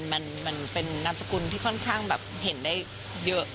มันเป็นนามสกุลที่ค่อนข้างแบบเห็นได้เยอะ